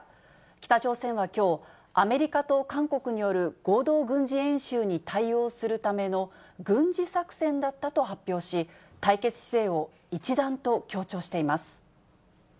北朝鮮はきょう、アメリカと韓国による合同軍事演習に対応するための軍事作戦だったと発表し、対決姿勢を一段と強調しています。